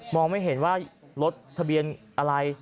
องไม่เห็นว่ารถทะเบียนอะไร